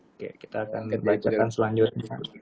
oke kita akan bacakan selanjutnya